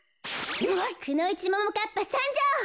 くのいちももかっぱさんじょう！